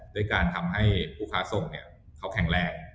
ด้วยการทำให้ผู้ค้าส่งเขาแข็งแรง